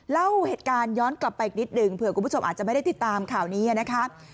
เล่าเหตุการณ์ย้อนกลับไปอีกนิดหนึ่งเผื่อคุณผู้ชมอาจจะไม่ได้ติดตามข่าวนี้นะครับ